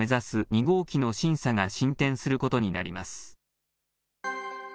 ２号機の審査が進展することになります。